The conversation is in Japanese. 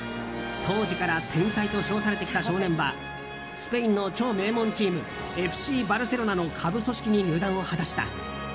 当時から天才と称されてきた少年はスペインの超名門チームＦＣバルセロナの下部組織に入団を果たした。